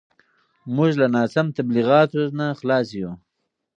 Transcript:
موږ له ناسم تبلیغاتو نه خلاص یو.